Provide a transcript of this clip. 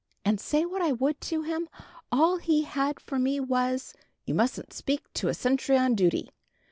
And say what I would to him, all he had for me was, 'You mustn't speak to a sentry on duty.'